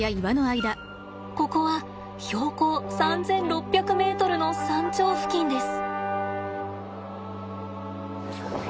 ここは標高３，６００ｍの山頂付近です。